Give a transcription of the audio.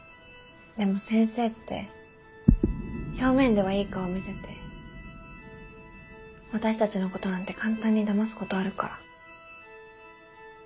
でも「先生」って表面ではいい顔見せて私たちのことなんて簡単にだますことあるから。